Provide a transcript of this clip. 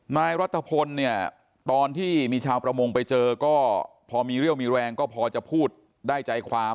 นายรัฐพลเนี่ยตอนที่มีชาวประมงไปเจอก็พอมีเรี่ยวมีแรงก็พอจะพูดได้ใจความ